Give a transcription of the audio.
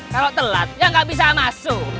kalau telat ya nggak bisa masuk